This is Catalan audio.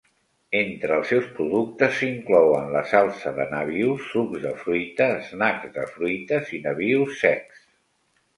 Entre els seus productes s'inclouen la salsa de nabius, sucs de fruita, snacks de fruites i nabius secs.